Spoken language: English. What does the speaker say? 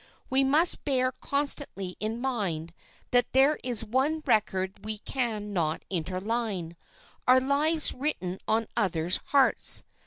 We must bear constantly in mind that there is one record we can not interline—our lives written on others' hearts.